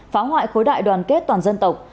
phá hoại khối đại đoàn kết toàn dân tộc